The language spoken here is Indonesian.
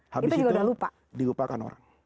habis itu dilupakan orang